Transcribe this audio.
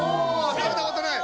食べたことない。